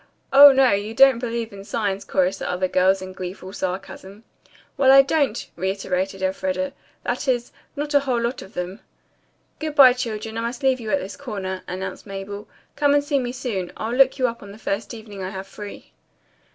"Oh, no, you don't believe in signs," chorused the girls, in gleeful sarcasm. "Well, I don't," reiterated Elfreda. "That is, not a whole lot of them." "Good bye, children, I must leave you at this corner," announced Mabel. "Come and see me soon. I'll look you up the first evening I have free."